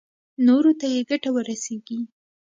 نورو ته يې ګټه ورسېږي.